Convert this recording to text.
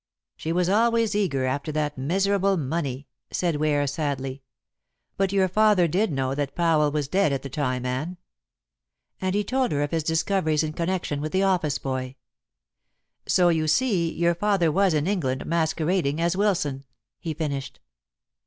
"She was always eager after that miserable money," said Ware sadly. "But your father did know that Powell was dead at the time, Anne." And he told her of his discoveries in connection with the office boy. "So you see your father was in England masquerading as Wilson," he finished.